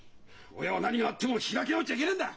親は何があっても開き直っちゃいけねえんだ！